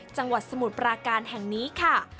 สมุทรปราการแห่งนี้ค่ะ